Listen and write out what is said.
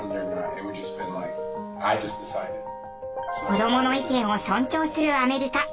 子どもの意見を尊重するアメリカ。